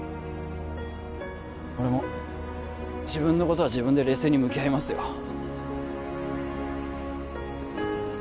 俺も自分のことは自分で冷静に向き合いますよ